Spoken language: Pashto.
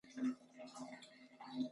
اوبه تودې شوي دي .